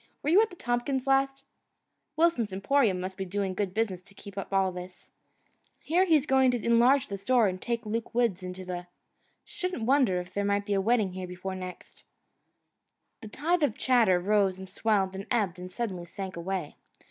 Were you at the Tompkins' last " "Wilson's Emporium must be doing good business to keep up all this " "Hear he's going to enlarge the store and take Luke Woods into the " "Shouldn't wonder if there might be a wedding here before next " The tide of chatter rose and swelled and ebbed and suddenly sank away.